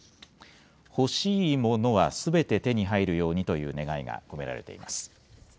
欲しいものはすべて手に入るようにという願いが込められています。